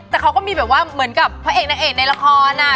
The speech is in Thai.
แต่เขาก็มีแบบว่าเหมือนกับพระเอกนางเอกในละคร